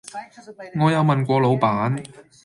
我有問過老闆